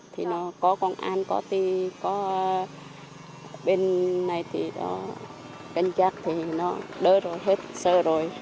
thì nó có công an có ti có bên này thì đó canh chắc thì nó đỡ rồi hết sợ rồi